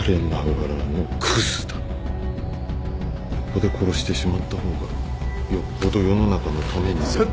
ここで殺してしまった方がよっぽど世の中のためになる。